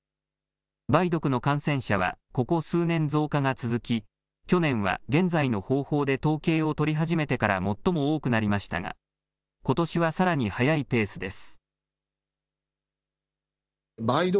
梅毒の感染者はここ数年増加が続き、去年は現在の方法で統計を取り始めてから最も多くなりましたが、ことしはさらに速いペースです。